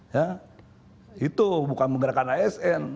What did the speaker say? ya itu bukan menggerakkan asn